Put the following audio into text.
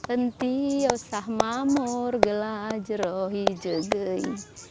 entio sah mamur gelajro hijul gei